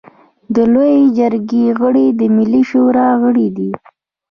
د لويې جرګې غړي د ملي شورا غړي دي.